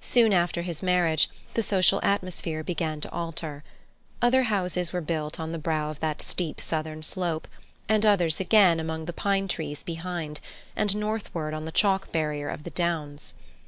Soon after his marriage the social atmosphere began to alter. Other houses were built on the brow of that steep southern slope and others, again, among the pine trees behind, and northward on the chalk barrier of the downs.